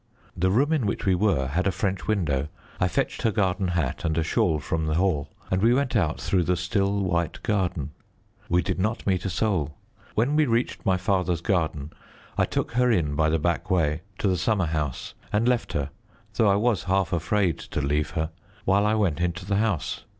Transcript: The room in which we were had a French window. I fetched her garden hat and a shawl from the hall, and we went out through the still, white garden. We did not meet a soul. When we reached my father's garden I took her in by the back way, to the summer house, and left her, though I was half afraid to leave her, while I went into the house.